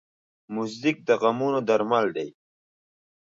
موزیک د غمونو درمل دی.